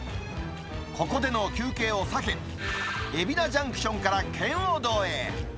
ここでの休憩を避け、海老名ジャンクションから圏央道へ。